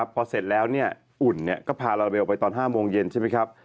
พอเสร็จแล้วอุ่นก็พาลาลาเบลไปตอน๕โมงเย็นใช่ไหมครับ